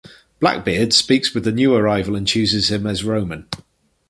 Blackbeard speaks with the new arrival and chooses him as Roman.